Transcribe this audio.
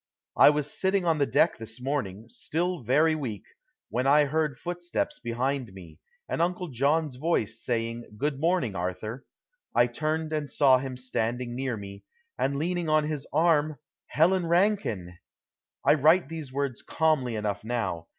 I was sitting on the deck this morning, still very weak, when I heard footsteps behind me, and Uncle John's voice saying, "Good morning, Arthur." I turned and saw him standing near me, and leaning on his arm Helen Rankine! I write these words calmly enough now.